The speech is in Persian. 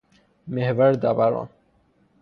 محور دوران